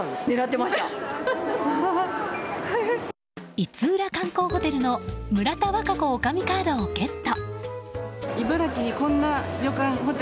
五浦観光ホテルの村田和華子女将カードをゲット。